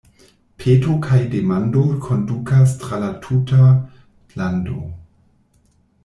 Peto kaj demando kondukas tra la tuta lando.